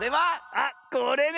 あっこれね！